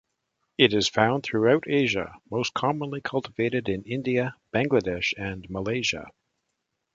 It is found throughout Asia, most commonly cultivated in India, Bangladesh and Malaysia.